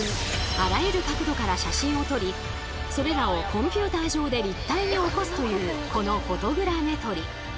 あらゆる角度から写真を撮りそれらをコンピューター上で立体に起こすというこのフォトグラメトリ。